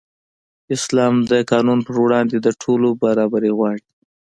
اسلام د قانون پر وړاندې د ټولو برابري غواړي.